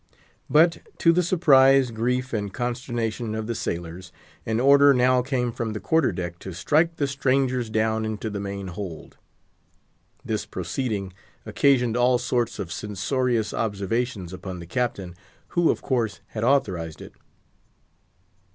But, to the surprise, grief, and consternation of the sailors, an order now came from the quarter deck to strike the "strangers down into the main hold!" This proceeding occasioned all sorts of censorious observations upon the Captain, who, of course, had authorised it.